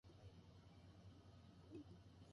クソクソ